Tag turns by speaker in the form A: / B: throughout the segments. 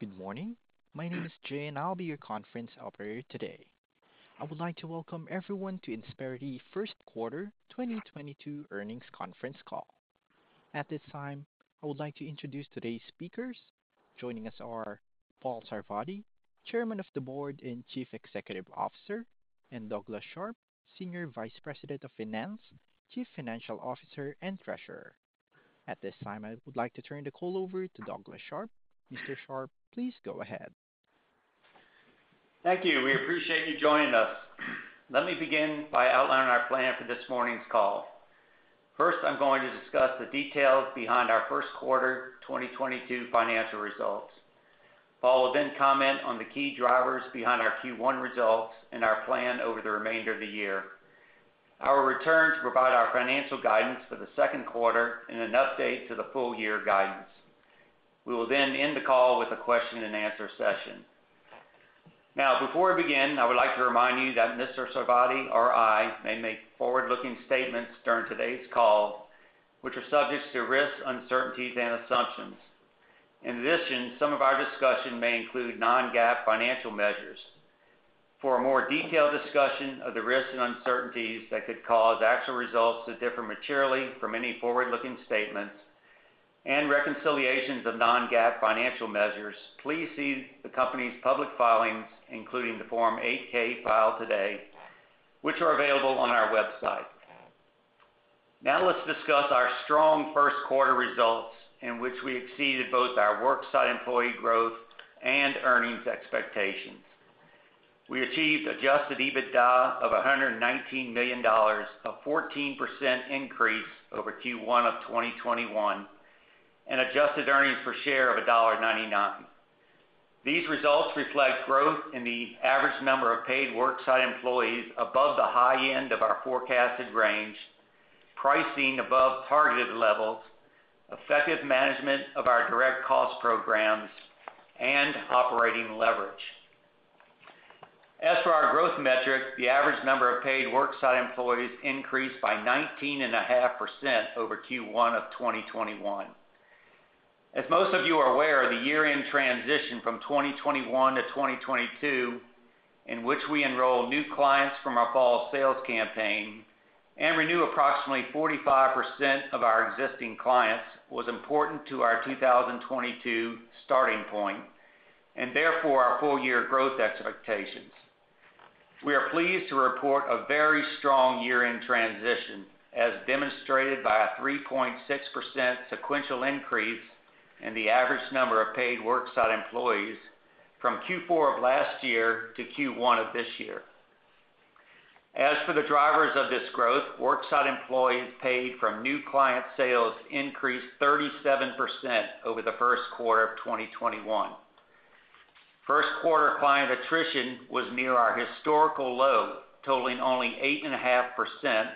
A: Good morning. My name is Jay, and I'll be your conference operator today. I would like to welcome everyone to Insperity first quarter 2022 earnings conference call. At this time, I would like to introduce today's speakers. Joining us are Paul Sarvadi, Chairman of the Board and Chief Executive Officer, and Douglas Sharp, Senior Vice President of Finance, Chief Financial Officer, and Treasurer. At this time, I would like to turn the call over to Douglas Sharp. Mr. Sharp, please go ahead.
B: Thank you. We appreciate you joining us. Let me begin by outlining our plan for this morning's call. First, I'm going to discuss the details behind our first quarter 2022 financial results, followed by comments on the key drivers behind our Q1 results and our plan over the remainder of the year. I will return to provide our financial guidance for the second quarter and an update to the full year guidance. We will then end the call with a question and answer session. Now before we begin, I would like to remind you that Mr. Sarvadi or I may make forward-looking statements during today's call, which are subject to risks, uncertainties and assumptions. In addition, some of our discussion may include non-GAAP financial measures. For a more detailed discussion of the risks and uncertainties that could cause actual results to differ materially from any forward-looking statements and reconciliations of non-GAAP financial measures, please see the company's public filings, including the Form 8-K filed today, which are available on our website. Now let's discuss our strong first quarter results in which we exceeded both our worksite employee growth and earnings expectations. We achieved adjusted EBITDA of $119 million, a 14% increase over Q1 of 2021, and adjusted earnings per share of $1.99. These results reflect growth in the average number of paid worksite employees above the high end of our forecasted range, pricing above targeted levels, effective management of our direct cost programs and operating leverage. As for our growth metrics, the average number of paid worksite employees increased by 19.5% over Q1 of 2021. Most of you are aware, the year-end transition from 2021 to 2022, in which we enroll new clients from our fall sales campaign and renew approximately 45% of our existing clients, was important to our 2022 starting point and therefore our full year growth expectations. We are pleased to report a very strong year-end transition as demonstrated by a 3.6% sequential increase in the average number of paid worksite employees from Q4 of last year to Q1 of this year. As for the drivers of this growth, worksite employees paid from new client sales increased 37% over the first quarter of 2021. First quarter client attrition was near our historical low, totaling only 8.5%,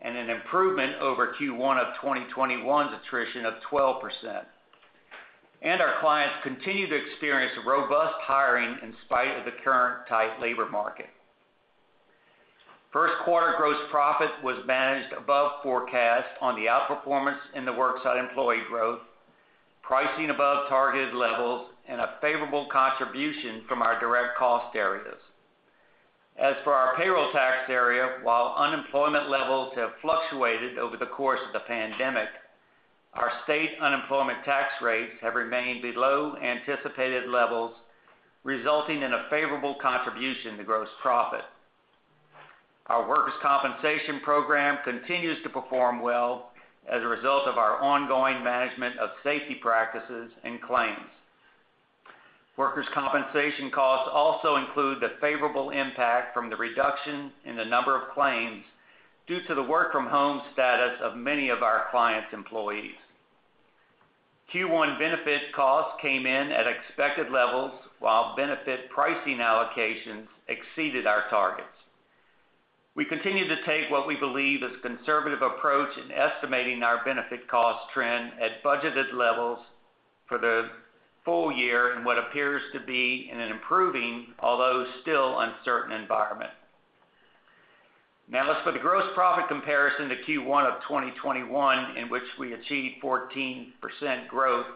B: and an improvement over Q1 of 2021's attrition of 12%. Our clients continue to experience robust hiring in spite of the current tight labor market. First quarter gross profit was managed above forecast on the outperformance in the worksite employee growth, pricing above targeted levels, and a favorable contribution from our direct cost areas. As for our payroll tax area, while unemployment levels have fluctuated over the course of the pandemic, our state unemployment tax rates have remained below anticipated levels, resulting in a favorable contribution to gross profit. Our workers' compensation program continues to perform well as a result of our ongoing management of safety practices and claims. Workers' compensation costs also include the favorable impact from the reduction in the number of claims due to the work from home status of many of our clients' employees. Q1 benefit costs came in at expected levels while benefit pricing allocations exceeded our targets. We continue to take what we believe is a conservative approach in estimating our benefit cost trend at budgeted levels for the full year in what appears to be an improving, although still uncertain environment. Now let's put a gross profit comparison to Q1 of 2021 in which we achieved 14% growth.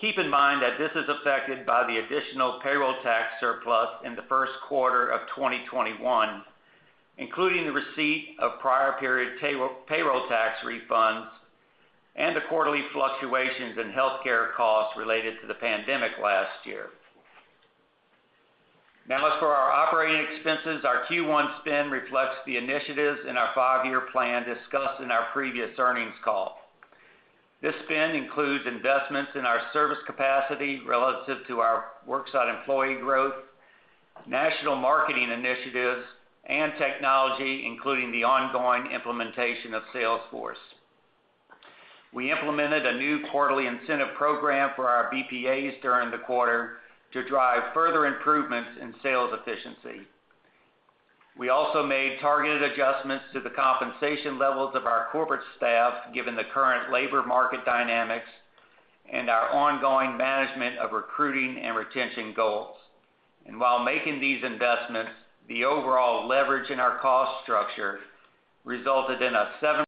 B: Keep in mind that this is affected by the additional payroll tax surplus in the first quarter of 2021, including the receipt of prior period payroll tax refunds and the quarterly fluctuations in healthcare costs related to the pandemic last year. Now as for our operating expenses, our Q1 spend reflects the initiatives in our five-year plan discussed in our previous earnings call. This spend includes investments in our service capacity relative to our worksite employee growth, national marketing initiatives and technology, including the ongoing implementation of Salesforce. We implemented a new quarterly incentive program for our BPAs during the quarter to drive further improvements in sales efficiency. We also made targeted adjustments to the compensation levels of our corporate staff, given the current labor market dynamics and our ongoing management of recruiting and retention goals. While making these investments, the overall leverage in our cost structure resulted in a 7%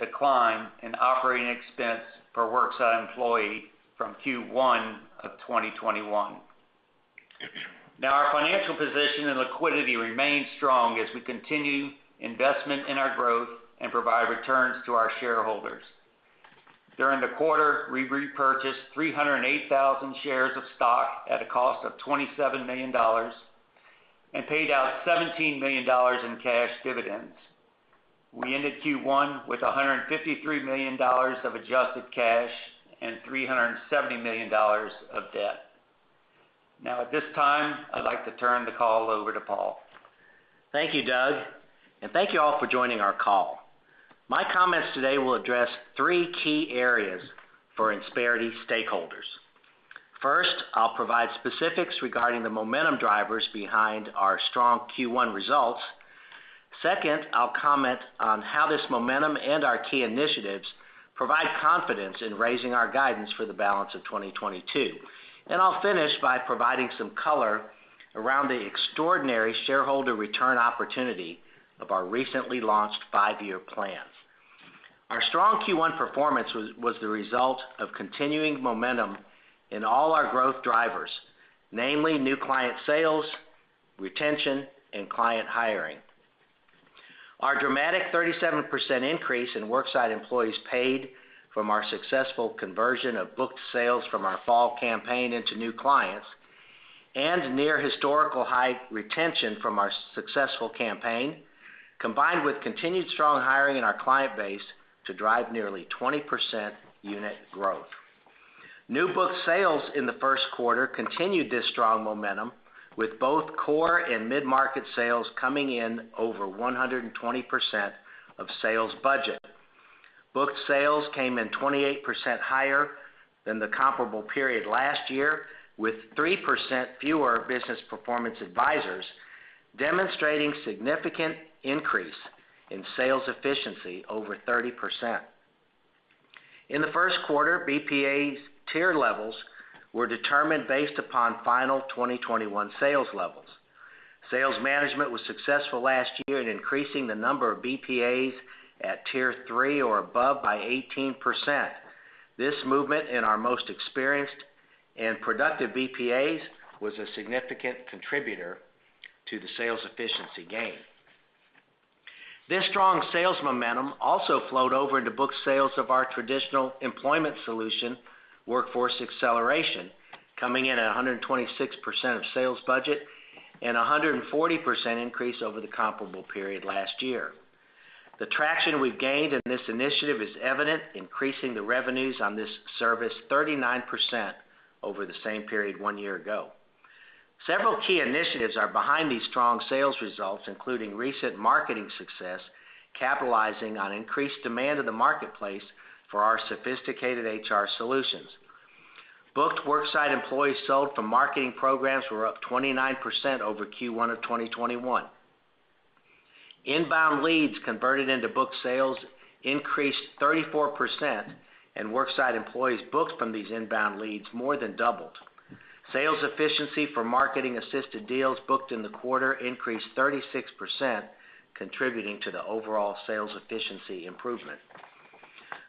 B: decline in operating expense per worksite employee from Q1 of 2021. Now, our financial position and liquidity remain strong as we continue investment in our growth and provide returns to our shareholders. During the quarter, we repurchased 308,000 shares of stock at a cost of $27 million and paid out $17 million in cash dividends. We ended Q1 with $153 million of adjusted cash and $370 million of debt. Now, at this time, I'd like to turn the call over to Paul.
C: Thank you, Doug, and thank you all for joining our call. My comments today will address three key areas for Insperity stakeholders. First, I'll provide specifics regarding the momentum drivers behind our strong Q1 results. Second, I'll comment on how this momentum and our key initiatives provide confidence in raising our guidance for the balance of 2022. I'll finish by providing some color around the extraordinary shareholder return opportunity of our recently launched five-year plan. Our strong Q1 performance was the result of continuing momentum in all our growth drivers, namely new client sales, retention, and client hiring. Our dramatic 37% increase in worksite employees paid from our successful conversion of booked sales from our fall campaign into new clients and near historical high retention from our successful campaign, combined with continued strong hiring in our client base to drive nearly 20% unit growth. New booked sales in the first quarter continued this strong momentum with both core and mid-market sales coming in over 120% of sales budget. Booked sales came in 28% higher than the comparable period last year, with 3% fewer business performance advisors, demonstrating significant increase in sales efficiency over 30%. In the first quarter, BPA's tier levels were determined based upon final 2021 sales levels. Sales management was successful last year in increasing the number of BPAs at Tier 3 or above by 18%. This movement in our most experienced and productive BPAs was a significant contributor to the sales efficiency gain. This strong sales momentum also flowed over into booked sales of our traditional employment solution, Workforce Acceleration, coming in at 126% of sales budget and 140% increase over the comparable period last year. The traction we've gained in this initiative is evident, increasing the revenues on this service 39% over the same period one year ago. Several key initiatives are behind these strong sales results, including recent marketing success, capitalizing on increased demand in the marketplace for our sophisticated HR solutions. Booked worksite employees sold from marketing programs were up 29% over Q1 of 2021. Inbound leads converted into booked sales increased 34%, and worksite employees booked from these inbound leads more than doubled. Sales efficiency for marketing-assisted deals booked in the quarter increased 36%, contributing to the overall sales efficiency improvement.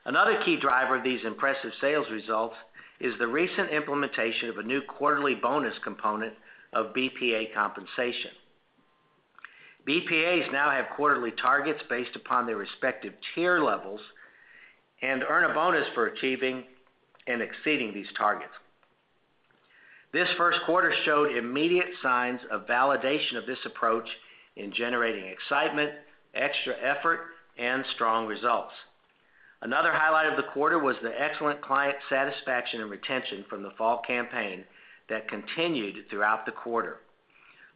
C: Another key driver of these impressive sales results is the recent implementation of a new quarterly bonus component of BPA compensation. BPAs now have quarterly targets based upon their respective tier levels and earn a bonus for achieving and exceeding these targets. This first quarter showed immediate signs of validation of this approach in generating excitement, extra effort, and strong results. Another highlight of the quarter was the excellent client satisfaction and retention from the fall campaign that continued throughout the quarter.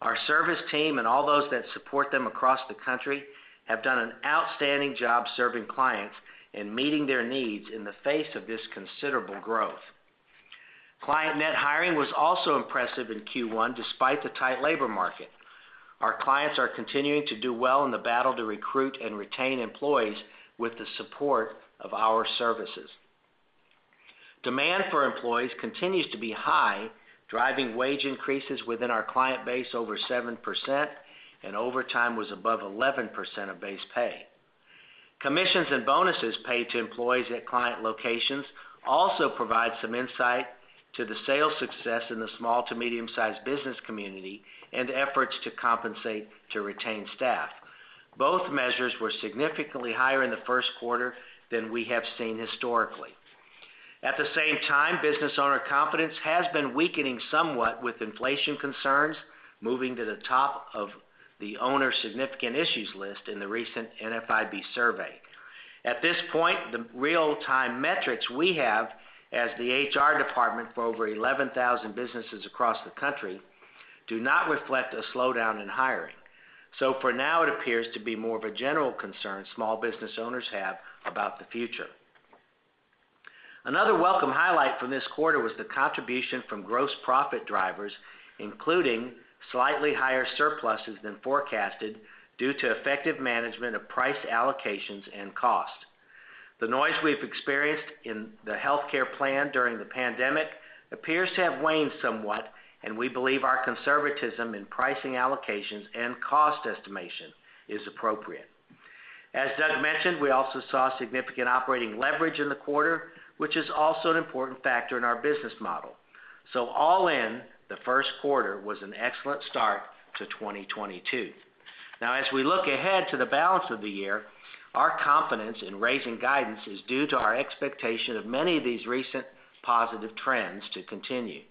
C: Our service team and all those that support them across the country have done an outstanding job serving clients and meeting their needs in the face of this considerable growth. Client net hiring was also impressive in Q1 despite the tight labor market. Our clients are continuing to do well in the battle to recruit and retain employees with the support of our services. Demand for employees continues to be high, driving wage increases within our client base over 7%, and overtime was above 11% of base pay. Commissions and bonuses paid to employees at client locations also provide some insight to the sales success in the small to medium-sized business community and efforts to compensate to retain staff. Both measures were significantly higher in the first quarter than we have seen historically. At the same time, business owner confidence has been weakening somewhat with inflation concerns moving to the top of the owner's significant issues list in the recent NFIB survey. At this point, the real-time metrics we have as the HR department for over 11,000 businesses across the country do not reflect a slowdown in hiring. For now, it appears to be more of a general concern small business owners have about the future. Another welcome highlight from this quarter was the contribution from gross profit drivers, including slightly higher surpluses than forecasted due to effective management of price allocations and cost. The noise we've experienced in the healthcare plan during the pandemic appears to have waned somewhat, and we believe our conservatism in pricing allocations and cost estimation is appropriate. As Doug mentioned, we also saw significant operating leverage in the quarter, which is also an important factor in our business model. All in, the first quarter was an excellent start to 2022. Now, as we look ahead to the balance of the year, our confidence in raising guidance is due to our expectation of many of these recent positive trends to continue.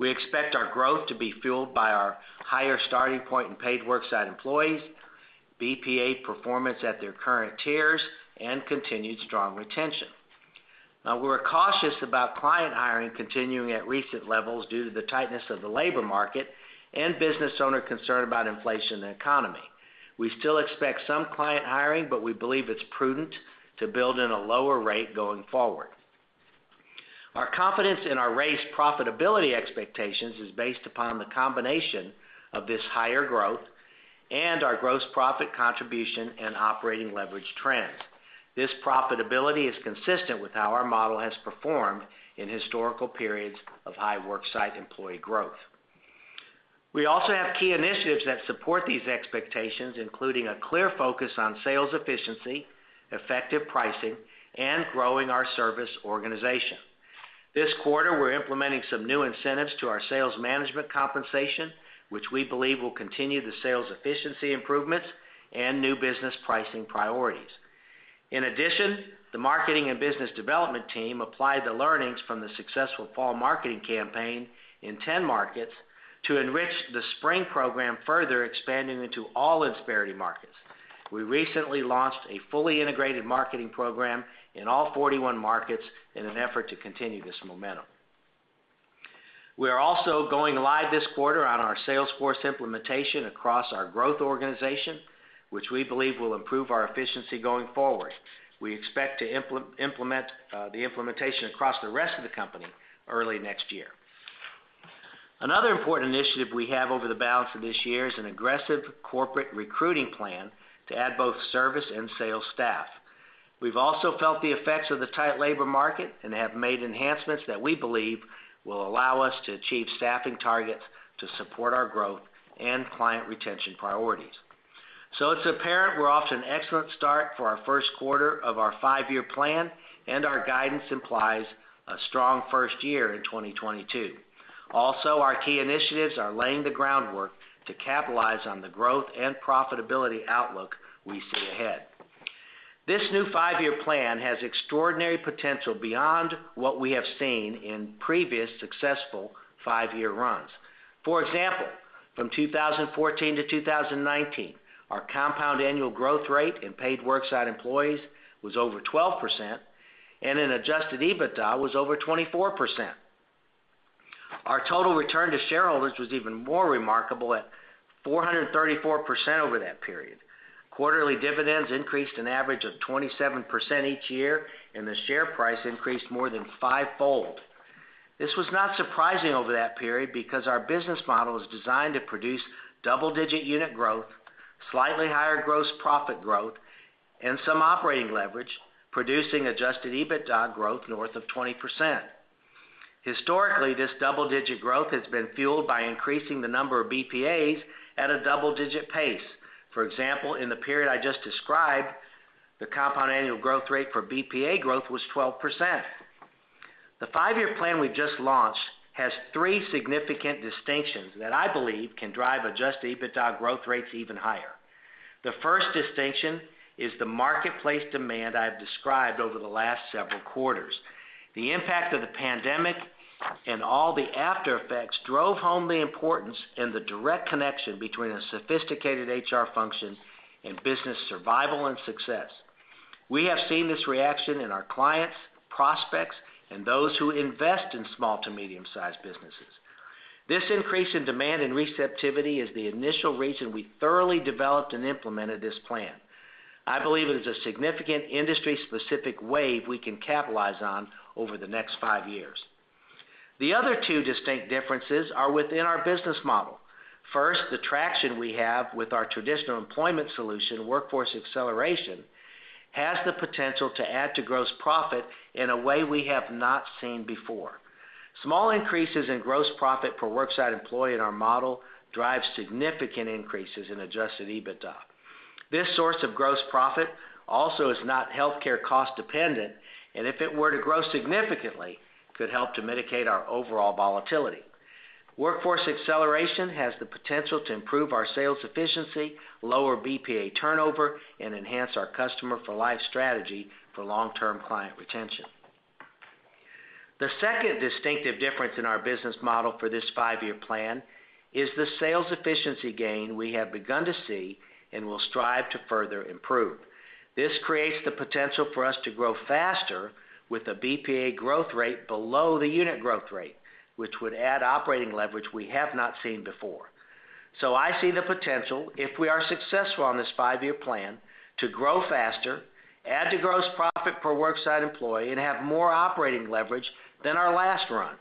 C: We expect our growth to be fueled by our higher starting point in paid worksite employees, BPA performance at their current tiers, and continued strong retention. Now we're cautious about client hiring continuing at recent levels due to the tightness of the labor market and business owner concern about inflation in the economy. We still expect some client hiring, but we believe it's prudent to build in a lower rate going forward. Our confidence in our raised profitability expectations is based upon the combination of this higher growth and our gross profit contribution and operating leverage trends. This profitability is consistent with how our model has performed in historical periods of high worksite employee growth. We also have key initiatives that support these expectations, including a clear focus on sales efficiency, effective pricing, and growing our service organization. This quarter, we're implementing some new incentives to our sales management compensation, which we believe will continue the sales efficiency improvements and new business pricing priorities. In addition, the marketing and business development team applied the learnings from the successful fall marketing campaign in 10 markets to enrich the spring program, further expanding into all Insperity markets. We recently launched a fully integrated marketing program in all 41 markets in an effort to continue this momentum. We are also going live this quarter on our Salesforce implementation across our growth organization, which we believe will improve our efficiency going forward. We expect to implement the implementation across the rest of the company early next year. Another important initiative we have over the balance of this year is an aggressive corporate recruiting plan to add both service and sales staff. We've also felt the effects of the tight labor market and have made enhancements that we believe will allow us to achieve staffing targets to support our growth and client retention priorities. It's apparent we're off to an excellent start for our first quarter of our five-year plan, and our guidance implies a strong first year in 2022. Also, our key initiatives are laying the groundwork to capitalize on the growth and profitability outlook we see ahead. This new five-year plan has extraordinary potential beyond what we have seen in previous successful five-year runs. For example, from 2014 to 2019, our compound annual growth rate in paid worksite employees was over 12% and in adjusted EBITDA was over 24%. Our total return to shareholders was even more remarkable at 434% over that period. Quarterly dividends increased an average of 27% each year, and the share price increased more than fivefold. This was not surprising over that period because our business model is designed to produce double-digit unit growth, slightly higher gross profit growth, and some operating leverage, producing adjusted EBITDA growth north of 20%. Historically, this double-digit growth has been fueled by increasing the number of BPAs at a double-digit pace. For example, in the period I just described, the compound annual growth rate for BPA growth was 12%. The five-year plan we've just launched has three significant distinctions that I believe can drive adjusted EBITDA growth rates even higher. The first distinction is the marketplace demand I've described over the last several quarters. The impact of the pandemic and all the after effects drove home the importance and the direct connection between a sophisticated HR function and business survival and success. We have seen this reaction in our clients, prospects, and those who invest in small to medium-sized businesses. This increase in demand and receptivity is the initial reason we thoroughly developed and implemented this plan. I believe it is a significant industry-specific wave we can capitalize on over the next five years. The other two distinct differences are within our business model. First, the traction we have with our traditional employment solution, Workforce Acceleration, has the potential to add to gross profit in a way we have not seen before. Small increases in gross profit per worksite employee in our model drives significant increases in adjusted EBITDA. This source of gross profit also is not healthcare cost dependent, and if it were to grow significantly, could help to mitigate our overall volatility. Workforce Acceleration has the potential to improve our sales efficiency, lower BPA turnover, and enhance our customer for life strategy for long-term client retention. The second distinctive difference in our business model for this five-year plan is the sales efficiency gain we have begun to see and will strive to further improve. This creates the potential for us to grow faster with a BPA growth rate below the unit growth rate, which would add operating leverage we have not seen before. I see the potential, if we are successful on this five-year plan, to grow faster, add to gross profit per worksite employee, and have more operating leverage than our last run.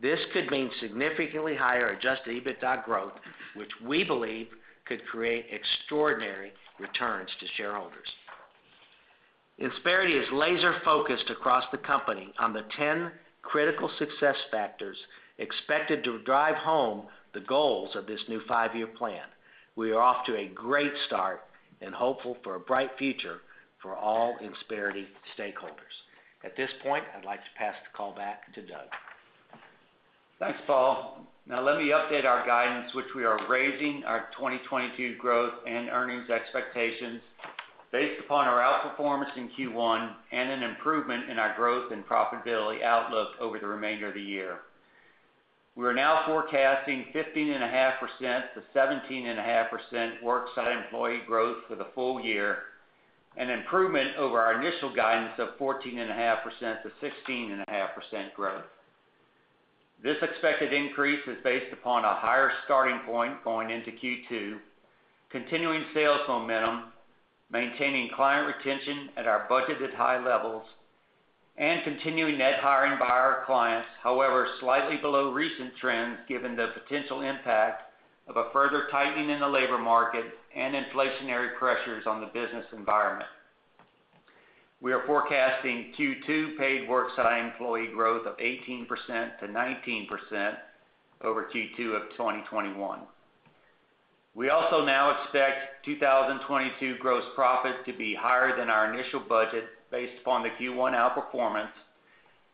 C: This could mean significantly higher adjusted EBITDA growth, which we believe could create extraordinary returns to shareholders. Insperity is laser-focused across the company on the 10 critical success factors expected to drive home the goals of this new five-year plan. We are off to a great start and hopeful for a bright future for all Insperity stakeholders. At this point, I'd like to pass the call back to Doug.
B: Thanks, Paul. Now let me update our guidance, which we are raising our 2022 growth and earnings expectations based upon our outperformance in Q1 and an improvement in our growth and profitability outlook over the remainder of the year. We are now forecasting 15.5%-17.5% work site employee growth for the full year, an improvement over our initial guidance of 14.5%-16.5% growth. This expected increase is based upon a higher starting point going into Q2, continuing sales momentum, maintaining client retention at our budgeted high levels, and continuing net hiring by our clients, however, slightly below recent trends given the potential impact of a further tightening in the labor market and inflationary pressures on the business environment. We are forecasting Q2 paid worksite employee growth of 18%-19% over Q2 of 2021. We also now expect 2022 gross profit to be higher than our initial budget based upon the Q1 outperformance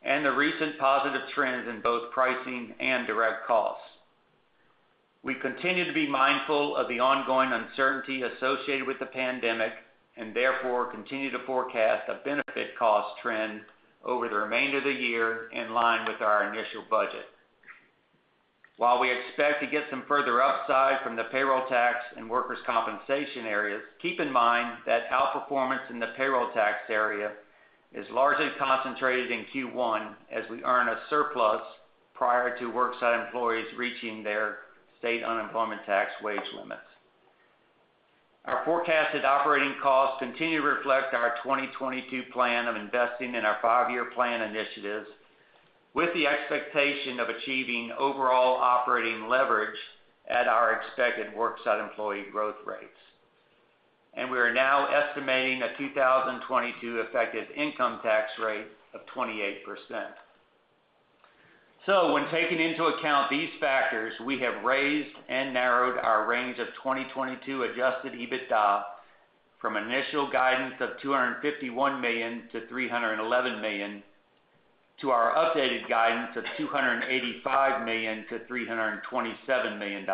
B: and the recent positive trends in both pricing and direct costs. We continue to be mindful of the ongoing uncertainty associated with the pandemic, and therefore continue to forecast a benefit cost trend over the remainder of the year in line with our initial budget. While we expect to get some further upside from the payroll tax and workers' compensation areas, keep in mind that outperformance in the payroll tax area is largely concentrated in Q1 as we earn a surplus prior to worksite employees reaching their state unemployment tax wage limits. Our forecasted operating costs continue to reflect our 2022 plan of investing in our five-year plan initiatives with the expectation of achieving overall operating leverage at our expected work site employee growth rates. We are now estimating a 2022 effective income tax rate of 28%. When taking into account these factors, we have raised and narrowed our range of 2022 adjusted EBITDA from initial guidance of $251 million-$311 million to our updated guidance of $285 million-$327 million.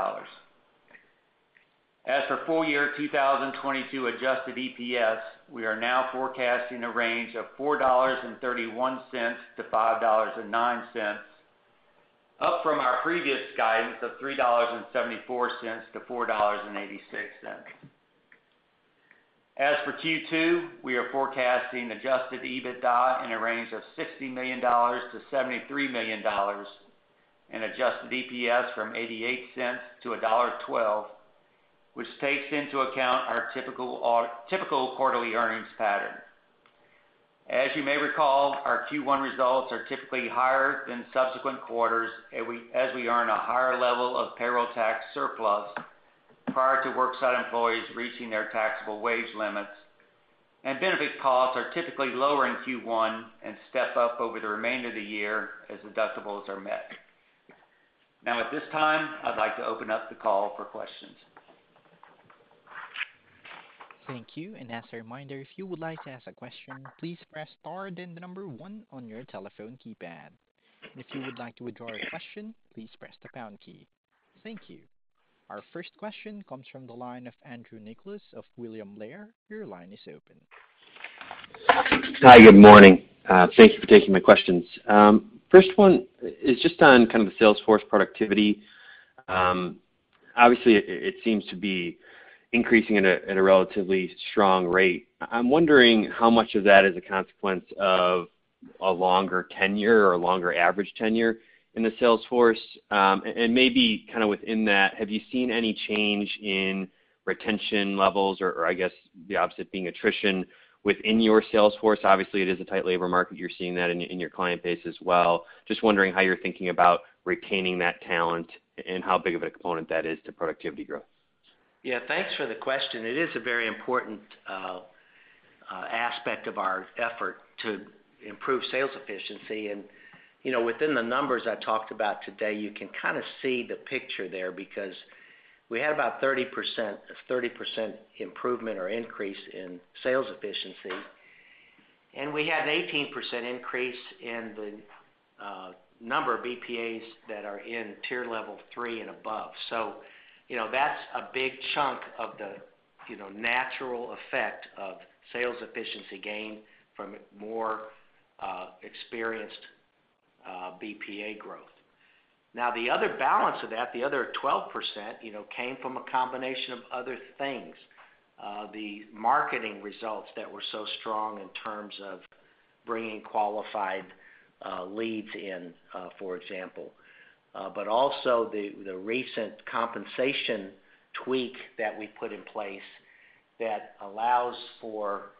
B: As for full-year 2022 adjusted EPS, we are now forecasting a range of $4.31-$5.09, up from our previous guidance of $3.74-$4.86. As for Q2, we are forecasting adjusted EBITDA in a range of $60 million-$73 million, and adjusted EPS from $0.88-$1.12, which takes into account our typical typical quarterly earnings pattern. As you may recall, our Q1 results are typically higher than subsequent quarters, as we earn a higher level of payroll tax surplus prior to work site employees reaching their taxable wage limits, and benefit costs are typically lower in Q1 and step up over the remainder of the year as deductibles are met. Now at this time, I'd like to open up the call for questions.
A: Thank you. As a reminder, if you would like to ask a question, please press star then the number one on your telephone keypad. If you would like to withdraw your question, please press the pound key. Thank you. Our first question comes from the line of Andrew Nicholas of William Blair. Your line is open.
D: Hi, good morning. Thank you for taking my questions. First one is just on kind of the sales force productivity. Obviously it seems to be increasing at a relatively strong rate. I'm wondering how much of that is a consequence of a longer tenure or a longer average tenure in the sales force. Maybe kind of within that, have you seen any change in retention levels or I guess the opposite being attrition within your sales force? Obviously, it is a tight labor market. You're seeing that in your client base as well. Just wondering how you're thinking about retaining that talent and how big of a component that is to productivity growth.
C: Yeah, thanks for the question. It is a very important aspect of our effort to improve sales efficiency. You know, within the numbers I talked about today, you can kind of see the picture there because we had about 30%, a 30% improvement or increase in sales efficiency, and we had an 18% increase in the number of BPAs that are in tier level three and above. You know, that's a big chunk of the natural effect of sales efficiency gain from a more experienced BPA growth. Now, the other balance of that, the other 12%, you know, came from a combination of other things. The marketing results that were so strong in terms of bringing qualified leads in, for example. Also the recent compensation tweak that we put in place that allows for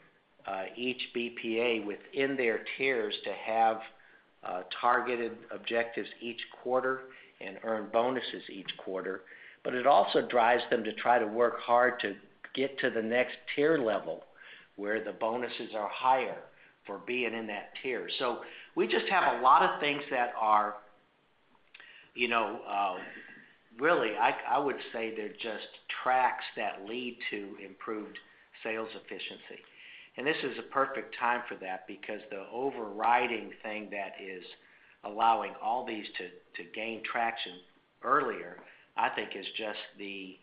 C: each BPA within their tiers to have targeted objectives each quarter and earn bonuses each quarter. It also drives them to try to work hard to get to the next tier level where the bonuses are higher for being in that tier. We just have a lot of things that are, you know, really, I would say they're just tracks that lead to improved sales efficiency. This is a perfect time for that because the overriding thing that is allowing all these to gain traction earlier, I think is just the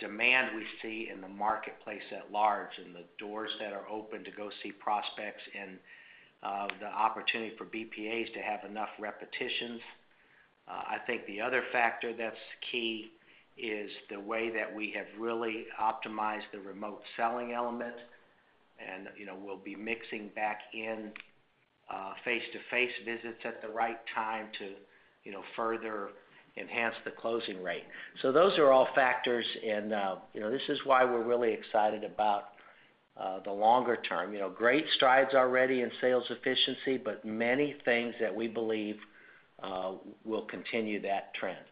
C: demand we see in the marketplace at large, and the doors that are open to go see prospects, and the opportunity for BPAs to have enough repetitions. I think the other factor that's key is the way that we have really optimized the remote selling element. You know, we'll be mixing back in face-to-face visits at the right time to, you know, further enhance the closing rate. Those are all factors and, you know, this is why we're really excited about the longer term. You know, great strides already in sales efficiency, but many things that we believe will continue that trend.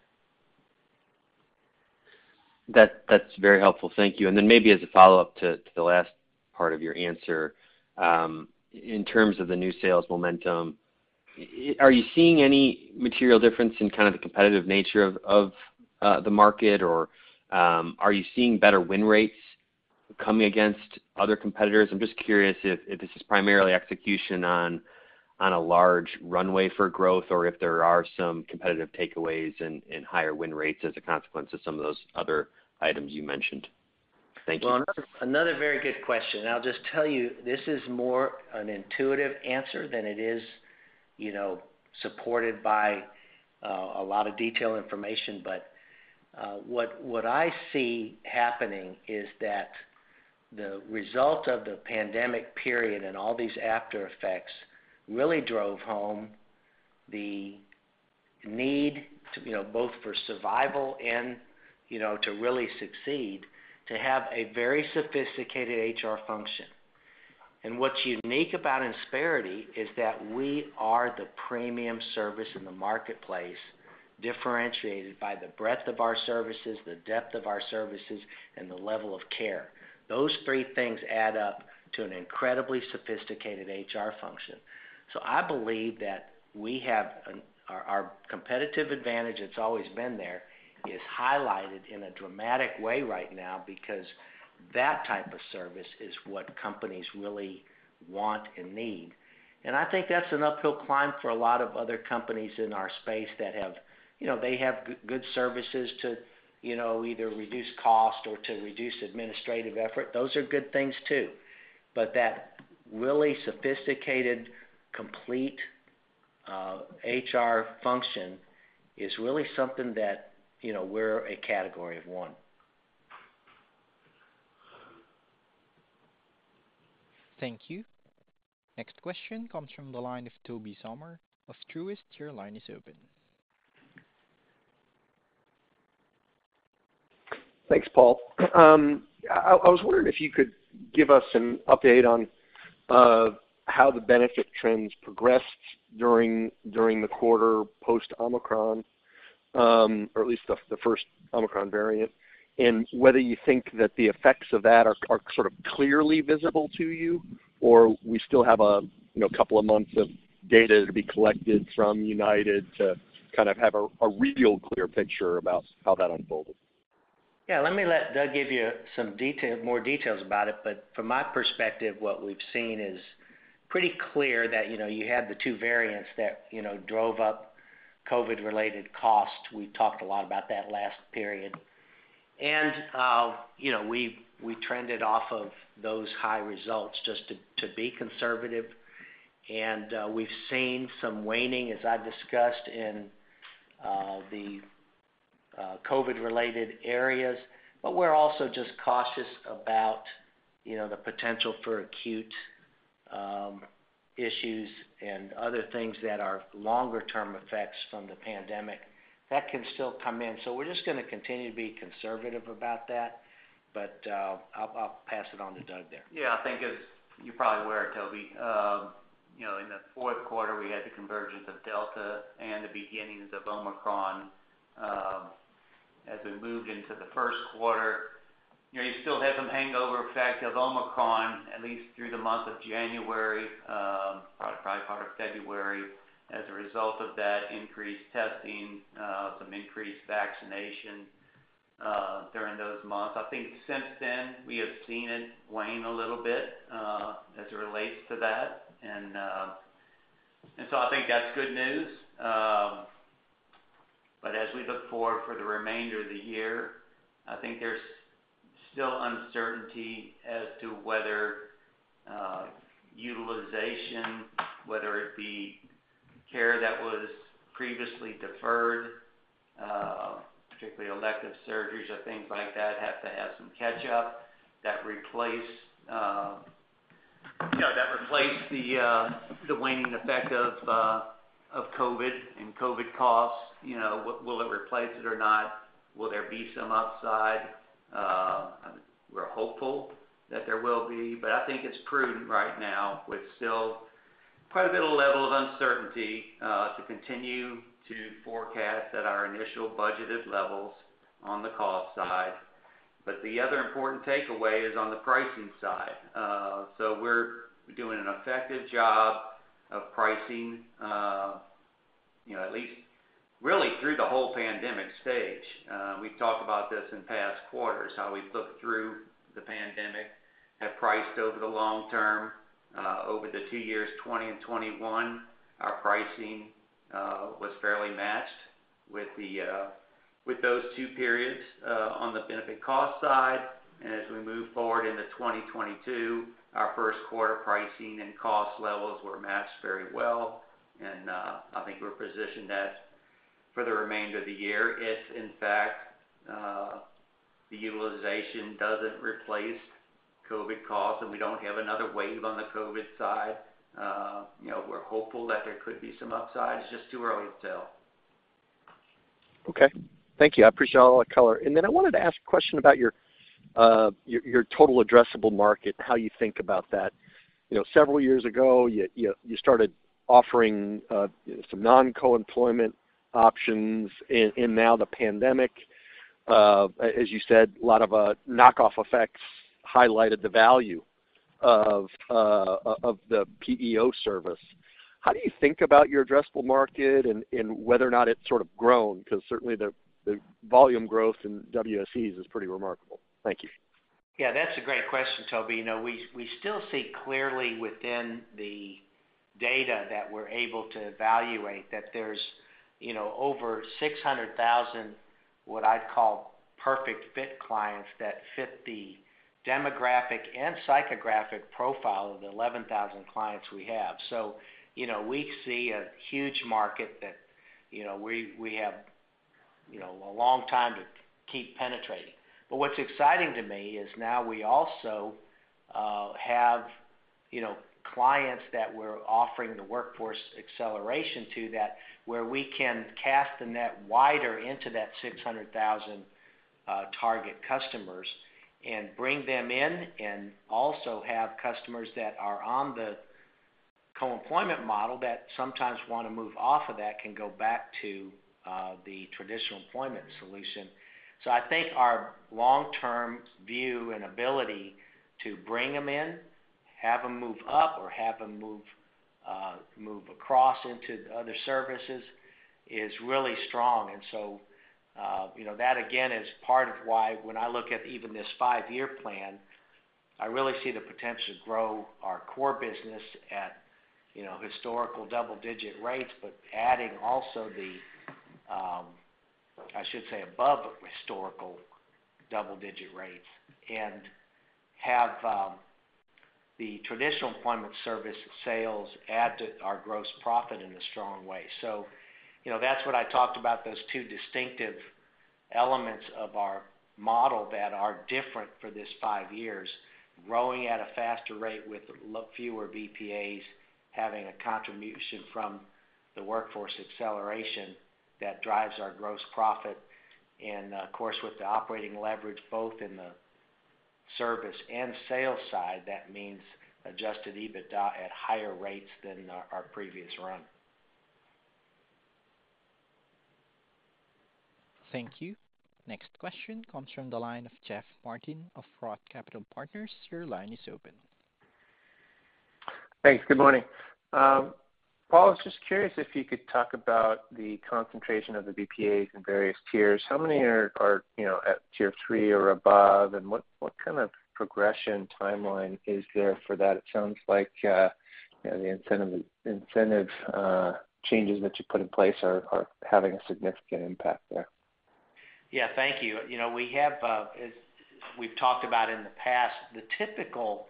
D: That's very helpful. Thank you. Maybe as a follow-up to the last part of your answer, in terms of the new sales momentum, are you seeing any material difference in kind of the competitive nature of the market? Or, are you seeing better win rates coming against other competitors? I'm just curious if this is primarily execution on a large runway for growth, or if there are some competitive takeaways and higher win rates as a consequence of some of those other items you mentioned. Thank you.
C: Well, another very good question. I'll just tell you, this is more an intuitive answer than it is, you know, supported by a lot of detailed information. But what I see happening is that the result of the pandemic period and all these aftereffects really drove home the need to, you know, both for survival and, you know, to really succeed, to have a very sophisticated HR function. What's unique about Insperity is that we are the premium service in the marketplace, differentiated by the breadth of our services, the depth of our services, and the level of care. Those three things add up to an incredibly sophisticated HR function. I believe that we have our competitive advantage that's always been there, is highlighted in a dramatic way right now because that type of service is what companies really want and need. I think that's an uphill climb for a lot of other companies in our space. You know, they have good services to, you know, either reduce cost or to reduce administrative effort. Those are good things too. But that really sophisticated, complete HR function is really something that, you know, we're a category of one.
A: Thank you. Next question comes from the line of Tobey Sommer of Truist. Your line is open.
E: Thanks, Paul. I was wondering if you could give us an update on how the benefit trends progressed during the quarter post Omicron, or at least the first Omicron variant. Whether you think that the effects of that are sort of clearly visible to you, or we still have a you know couple of months of data to be collected from UnitedHealthcare to kind of have a real clear picture about how that unfolds.
C: Yeah, let me let Doug give you more details about it. From my perspective, what we've seen is pretty clear that, you know, you had the two variants that, you know, drove up COVID-related costs. We talked a lot about that last period. We trended off of those high results just to be conservative. We've seen some waning, as I discussed, in the COVID-related areas. We're also just cautious about the potential for acute issues and other things that are longer term effects from the pandemic that can still come in. We're just gonna continue to be conservative about that. I'll pass it on to Doug there.
B: Yeah. I think as you're probably aware, Tobey, you know, in the fourth quarter, we had the convergence of Delta and the beginnings of Omicron. As we moved into the first quarter, you know, you still had some hangover effect of Omicron, at least through the month of January, probably part of February, as a result of that increased testing, some increased vaccination during those months. I think since then, we have seen it wane a little bit, as it relates to that. I think that's good news. As we look forward for the remainder of the year, I think there's still uncertainty as to whether utilization, whether it be care that was previously deferred, particularly elective surgeries or things like that have to have some catch-up that replace. Replace the waning effect of COVID and COVID costs. You know, will it replace it or not? Will there be some upside? We're hopeful that there will be, but I think it's prudent right now with still quite a bit of level of uncertainty to continue to forecast at our initial budgeted levels on the cost side. The other important takeaway is on the pricing side. We're doing an effective job of pricing, you know, at least really through the whole pandemic stage. We've talked about this in past quarters, how we've looked through the pandemic, have priced over the long term. Over the two years, 2020 and 2021, our pricing was fairly matched with those two periods on the benefit cost side. As we move forward into 2022, our first quarter pricing and cost levels were matched very well. I think we're positioned that for the remainder of the year, if in fact, the utilization doesn't replace COVID costs and we don't have another wave on the COVID side. You know, we're hopeful that there could be some upside. It's just too early to tell.
E: Okay. Thank you. I appreciate all that color. I wanted to ask a question about your total addressable market, how you think about that. You know, several years ago, you started offering some non-co-employment options, and now the pandemic, as you said, a lot of knock-on effects highlighted the value of the PEO service. How do you think about your addressable market and whether or not it's sort of grown? 'Cause certainly the volume growth in WSEEs is pretty remarkable. Thank you.
C: Yeah, that's a great question, Toby. You know, we still see clearly within the data that we're able to evaluate that there's, you know, over 600,000, what I'd call perfect fit clients that fit the demographic and psychographic profile of the 11,000 clients we have. You know, we see a huge market that, you know, we have, you know, a long time to keep penetrating. What's exciting to me is now we also have, you know, clients that we're offering the Workforce Acceleration to that, where we can cast the net wider into that 600,000 target customers and bring them in, and also have customers that are on the co-employment model that sometimes wanna move off of that, can go back to the traditional employment solution. I think our long-term view and ability to bring them in, have them move up or have them move across into other services is really strong. You know, that again is part of why when I look at even this five-year plan, I really see the potential to grow our core business at, you know, historical double-digit rates, but adding also the, I should say above historical double-digit rates and have the traditional employment service sales add to our gross profit in a strong way. You know, that's what I talked about, those two distinctive elements of our model that are different for this five years, growing at a faster rate with fewer BPAs, having a contribution from the Workforce Acceleration that drives our gross profit. Of course, with the operating leverage both in the service and sales side, that means Adjusted EBITDA at higher rates than our previous run.
A: Thank you. Next question comes from the line of Jeff Martin of Roth Capital Partners. Your line is open.
F: Thanks. Good morning. Paul, I was just curious if you could talk about the concentration of the BPAs in various tiers. How many are, you know, at tier three or above? What kind of progression timeline is there for that? It sounds like, you know, the incentive changes that you put in place are having a significant impact there.
C: Yeah, thank you. You know, we have, as we've talked about in the past, the typical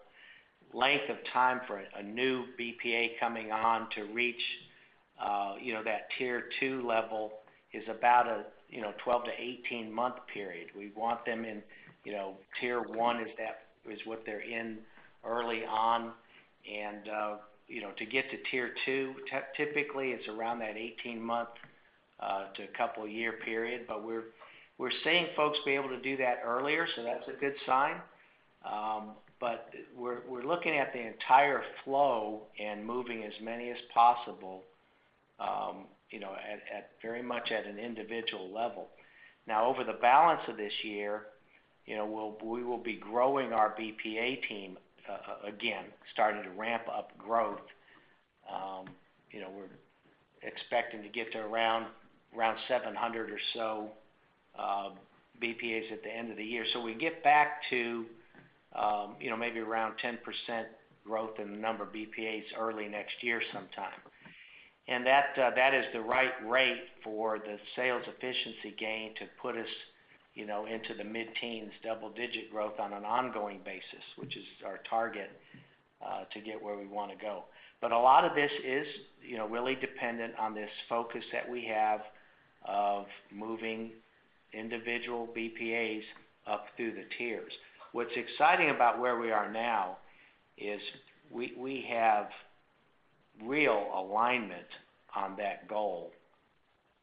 C: length of time for a new BPA coming on to reach, you know, that tier two level is about a, you know, 12- to 18-month period. We want them in, you know, tier one is that is what they're in early on. You know, to get to tier two, typically it's around that 18-month to a couple year period. We're seeing folks be able to do that earlier, so that's a good sign. We're looking at the entire flow and moving as many as possible, you know, at very much an individual level. Now, over the balance of this year, you know, we will be growing our BPA team, again, starting to ramp up growth. You know, we're expecting to get to around 700 or so BPAs at the end of the year. We get back to, you know, maybe around 10% growth in the number of BPAs early next year sometime. That is the right rate for the sales efficiency gain to put us, you know, into the mid-teens double-digit growth on an ongoing basis, which is our target to get where we wanna go. A lot of this is, you know, really dependent on this focus that we have of moving individual BPAs up through the tiers. What's exciting about where we are now is we have real alignment on that goal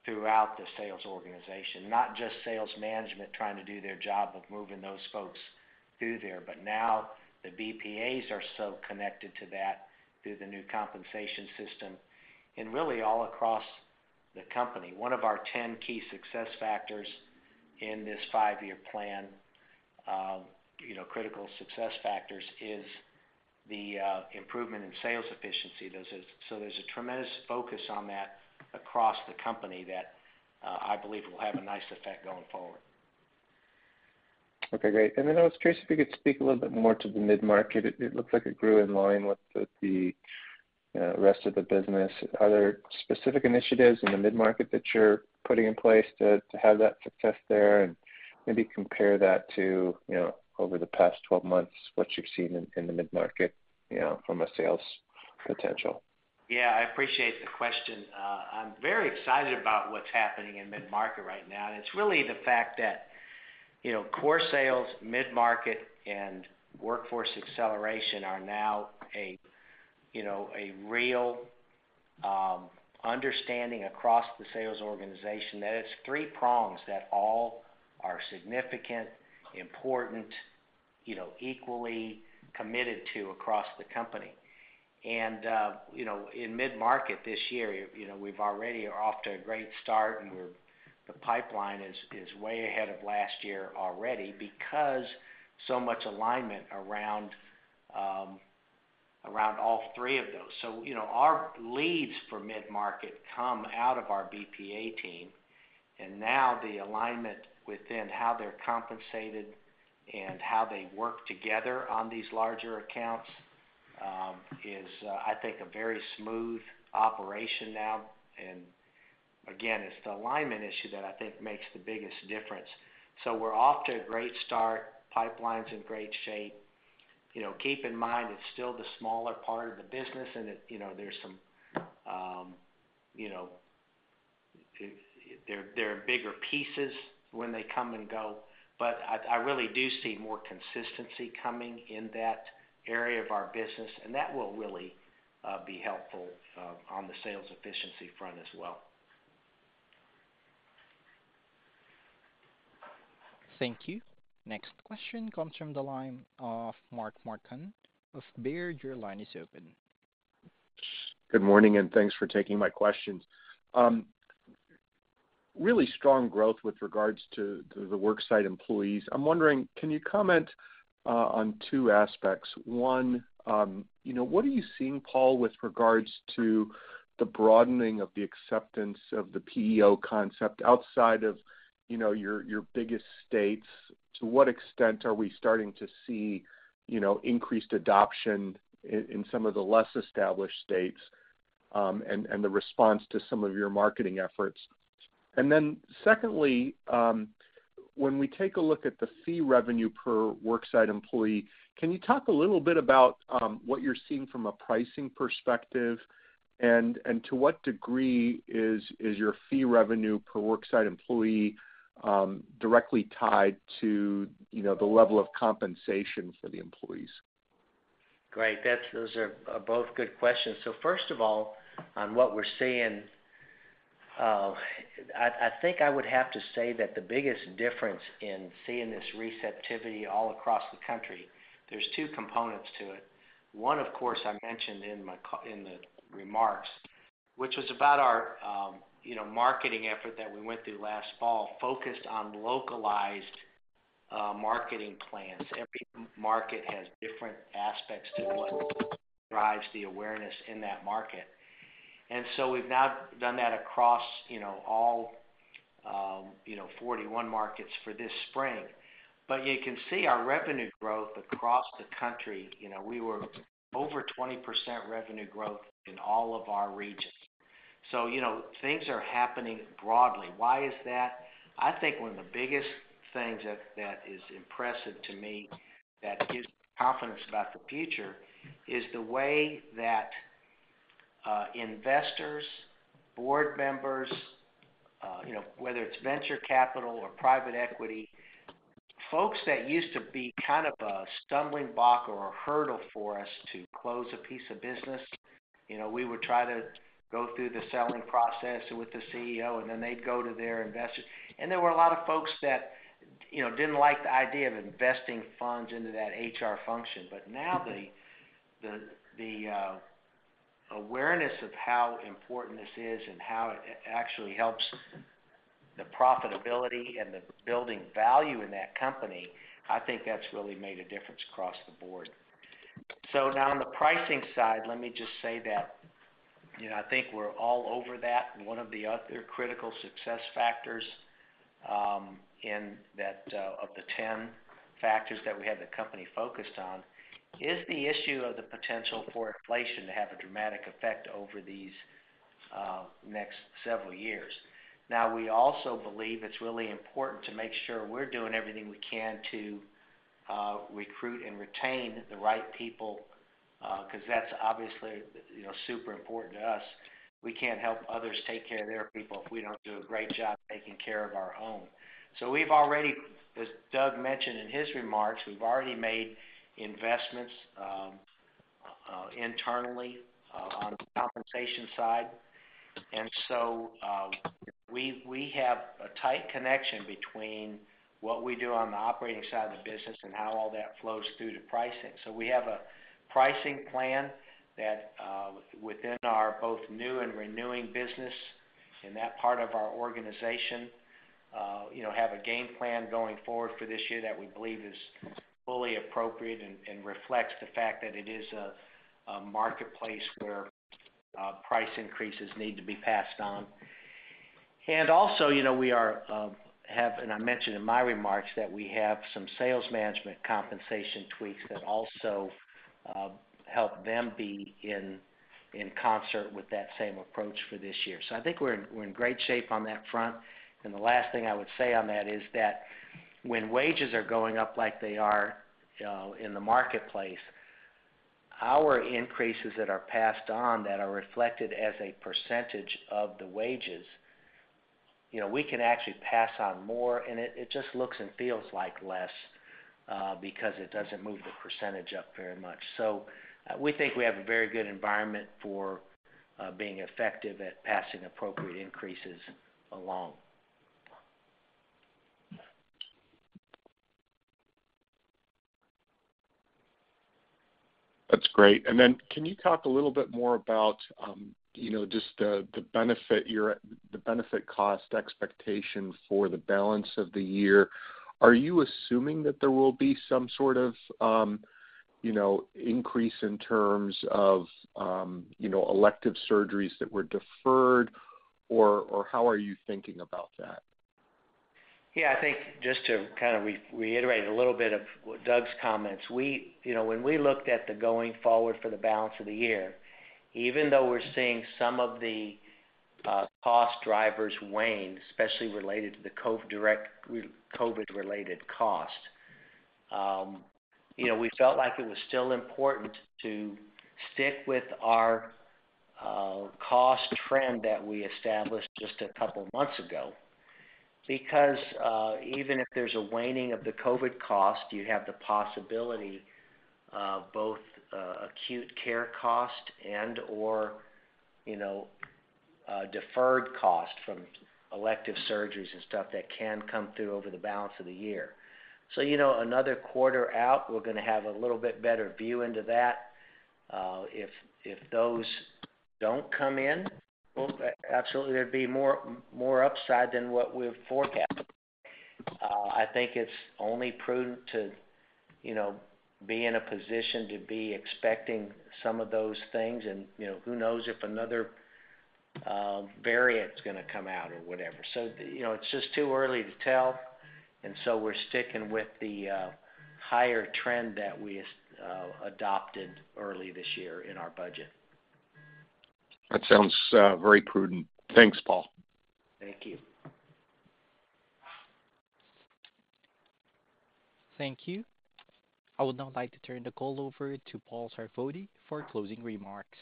C: throughout the sales organization, not just sales management trying to do their job of moving those folks through there. Now the BPAs are so connected to that through the new compensation system and really all across the company. One of our 10 key success factors in this five-year plan, you know, critical success factors is the improvement in sales efficiency. There's a tremendous focus on that across the company that I believe will have a nice effect going forward.
F: Okay, great. I was curious if you could speak a little bit more to the mid-market. It looks like it grew in line with the rest of the business. Are there specific initiatives in the mid-market that you're putting in place to have that success there? Maybe compare that to, you know, over the past 12 months, what you've seen in the mid-market, you know, from a sales potential.
C: Yeah, I appreciate the question. I'm very excited about what's happening in mid-market right now. It's really the fact that, you know, core sales, mid-market, and Workforce Acceleration are now a real understanding across the sales organization that it's three prongs that all are significant, important, you know, equally committed to across the company. You know, in mid-market this year, you know, we're already off to a great start, and the pipeline is way ahead of last year already because so much alignment around all three of those. You know, our leads for mid-market come out of our BPA team, and now the alignment within how they're compensated and how they work together on these larger accounts is, I think a very smooth operation now. Again, it's the alignment issue that I think makes the biggest difference. We're off to a great start. Pipeline's in great shape. You know, keep in mind it's still the smaller part of the business and it, you know, there's some, you know. There are bigger pieces when they come and go, but I really do see more consistency coming in that area of our business, and that will really be helpful on the sales efficiency front as well.
A: Thank you. Next question comes from the line of Mark Marcon of Baird. Your line is open.
G: Good morning, and thanks for taking my questions. Really strong growth with regards to the worksite employees. I'm wondering, can you comment on two aspects? One, you know, what are you seeing, Paul, with regards to the broadening of the acceptance of the PEO concept outside of, you know, your biggest states? To what extent are we starting to see, you know, increased adoption in some of the less established states, and the response to some of your marketing efforts? And then secondly, when we take a look at the fee revenue per worksite employee, can you talk a little bit about what you're seeing from a pricing perspective? And to what degree is your fee revenue per worksite employee directly tied to, you know, the level of compensation for the employees?
C: Great. Those are both good questions. First of all, on what we're seeing, I think I would have to say that the biggest difference in seeing this receptivity all across the country, there's two components to it. One, of course, I mentioned in the remarks, which was about our, you know, marketing effort that we went through last fall, focused on localized marketing plans. Every market has different aspects to what drives the awareness in that market. We've now done that across, you know, all 41 markets for this spring. You can see our revenue growth across the country. You know, we were over 20% revenue growth in all of our regions. You know, things are happening broadly. Why is that? I think one of the biggest things that is impressive to me, that gives me confidence about the future is the way that investors, board members, you know, whether it's venture capital or private equity, folks that used to be kind of a stumbling block or a hurdle for us to close a piece of business. You know, we would try to go through the selling process with the CEO, and then they'd go to their investors. There were a lot of folks that, you know, didn't like the idea of investing funds into that HR function. Now the awareness of how important this is and how it actually helps the profitability and the building value in that company, I think that's really made a difference across the board. Now on the pricing side, let me just say that, you know, I think we're all over that. One of the other critical success factors, in that, of the 10 factors that we have the company focused on is the issue of the potential for inflation to have a dramatic effect over these next several years. Now, we also believe it's really important to make sure we're doing everything we can to recruit and retain the right people, 'cause that's obviously, you know, super important to us. We can't help others take care of their people if we don't do a great job taking care of our own. We've already, as Doug mentioned in his remarks, made investments, internally, on the compensation side. We have a tight connection between what we do on the operating side of the business and how all that flows through to pricing. We have a pricing plan that, within our both new and renewing business, in that part of our organization, you know, have a game plan going forward for this year that we believe is fully appropriate and reflects the fact that it is a marketplace where price increases need to be passed on. You know, I mentioned in my remarks that we have some sales management compensation tweaks that also help them be in concert with that same approach for this year. I think we're in great shape on that front. The last thing I would say on that is that when wages are going up like they are, in the marketplace, our increases that are passed on that are reflected as a percentage of the wages, you know, we can actually pass on more, and it just looks and feels like less, because it doesn't move the percentage up very much. We think we have a very good environment for being effective at passing appropriate increases along.
G: That's great. Can you talk a little bit more about, you know, just the benefit cost expectation for the balance of the year? Are you assuming that there will be some sort of, you know, increase in terms of, you know, elective surgeries that were deferred? Or how are you thinking about that?
C: Yeah, I think just to kind of reiterate a little bit of what Doug's comments. You know, when we looked at the going forward for the balance of the year, even though we're seeing some of the cost drivers wane, especially related to the COVID-related cost, you know, we felt like it was still important to stick with our cost trend that we established just a couple months ago. Because even if there's a waning of the COVID cost, you have the possibility of both acute care cost and/or you know deferred cost from elective surgeries and stuff that can come through over the balance of the year. You know, another quarter out, we're gonna have a little bit better view into that. If those don't come in, absolutely there'd be more upside than what we've forecasted. I think it's only prudent to you know be in a position to be expecting some of those things and you know who knows if another variant's gonna come out or whatever. You know it's just too early to tell, and so we're sticking with the higher trend that we adopted early this year in our budget.
G: That sounds very prudent. Thanks, Paul.
C: Thank you.
A: Thank you. I would now like to turn the call over to Paul Sarvadi for closing remarks.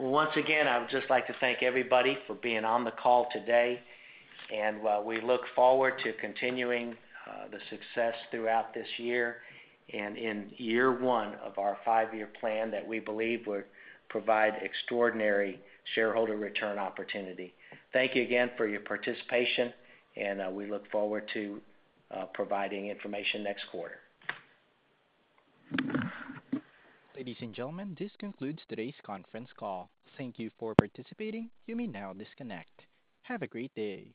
C: Once again, I would just like to thank everybody for being on the call today. We look forward to continuing the success throughout this year and in year one of our five-year plan that we believe will provide extraordinary shareholder return opportunity. Thank you again for your participation. We look forward to providing information next quarter.
A: Ladies and gentlemen, this concludes today's conference call. Thank you for participating. You may now disconnect. Have a great day.